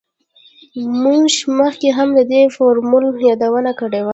موږ مخکې هم د دې فورمول یادونه کړې وه